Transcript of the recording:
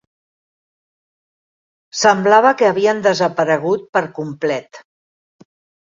Semblava que havien desaparegut per complet.